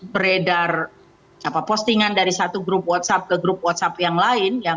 beredar postingan dari satu grup whatsapp ke grup whatsapp yang lain